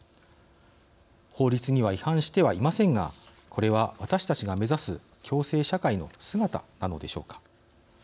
法律には違反してはいませんがこれは私たちが目指す共生社会の姿なのでしょうか。